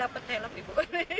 dapat helm ibu